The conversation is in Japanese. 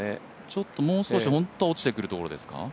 ちょっともう少し本当は落ちてくるところですか？